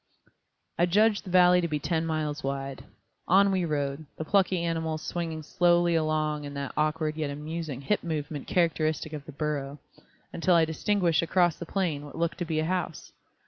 I judged the valley to be ten miles wide. On we rode, the plucky animals swinging slowly along in that awkward yet amusing hip movement characteristic of the burro, until I distinguished across the plain what looked to be a house.